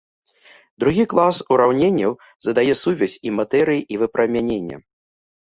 Другі клас ураўненняў задае сувязь і матэрыі і выпрамянення.